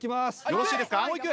よろしいですか。